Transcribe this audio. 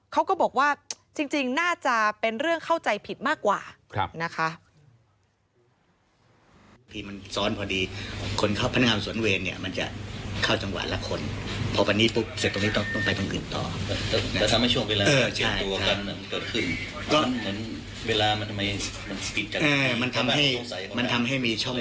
เขาก็บอกว่าจริงน่าจะเป็นเรื่องเข้าใจผิดมากกว่านะคะ